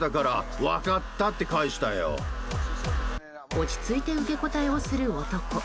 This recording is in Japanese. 落ち着いて受け答えをする男。